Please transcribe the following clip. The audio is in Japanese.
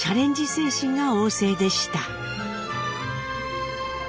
精神が旺盛でした。